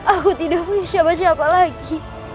aku tidak punya siapa siapa lagi